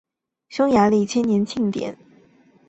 匈牙利千年庆典完全改变了该区的形象。